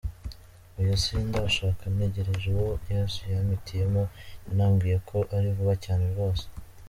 Oya sindashaka ntegereje uwo Yesu yampitiyemo yanambwiye ko ari vuba cyane rwose.